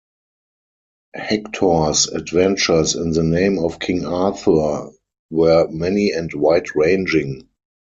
Hector's adventures in the name of King Arthur were many and wide-ranging.